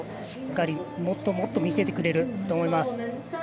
しっかり、もっともっと見せてくれると思います。